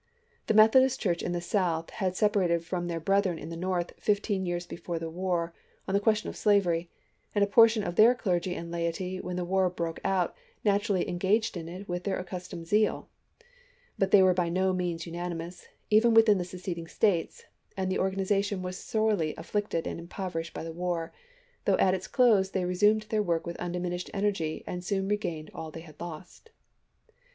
The Methodist Church in the South had sep arated from their brethren in the North fifteen years before the war on the question of slavery, and a portion of their clergy and laity when the war broke out naturally eogaged in it with their LINCOLN AND THE CHUKCHES 333 accustomed zeal ; but they were by no means unan chap. xv. imous, even within the seceding States, and the organization was sorely afflicted and impoverished by the war — though at its close they resumed their work with undiminished energy and soon re gained all they had lost.